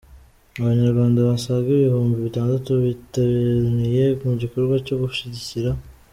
Abanyarwanda basaga Ibihumbi bitandatu bateraniye mu gikorwa cyo gushyigikira